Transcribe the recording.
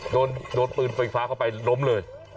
โดนปืนไฟฟ้าเข้าไปล้มเลย